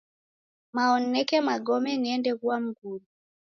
Mao nineke magome niende ghua mngulu